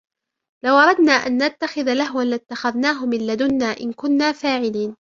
لو أردنا أن نتخذ لهوا لاتخذناه من لدنا إن كنا فاعلين